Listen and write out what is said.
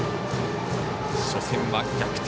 初戦は逆転